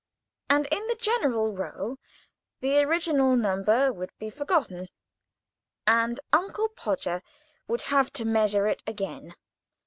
And in the general row, the original number would be forgotten, and Uncle Podger would have to measure it again.